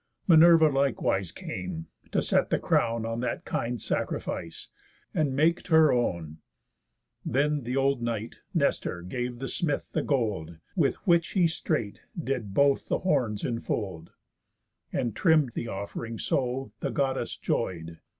Minerva likewise came, to set the crown On that kind sacrifice, and make 't her own. Then th' old knight Nestor gave the smith the gold, With which he straight did both the horns infold, And trimm'd the off'ring so, the Goddess joy'd.